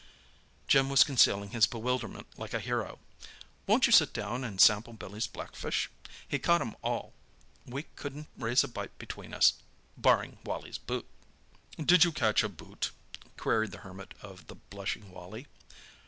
Jim was concealing his bewilderment like a hero. "Won't you sit down and sample Billy's blackfish? He caught 'em all—we couldn't raise a bite between us—barring Wally's boot!" "Did you catch a boot?" queried the Hermit of the blushing Wally.